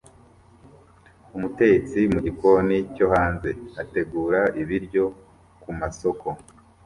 umutetsi mugikoni cyo hanze ategura ibiryo kumasoko